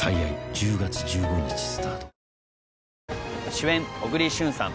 主演・小栗旬さん